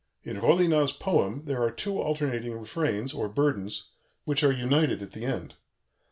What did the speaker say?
In Rollinat's poem there are two alternating refrains, or burdens, which are united at the end.